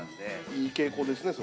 いい傾向ですねそれ。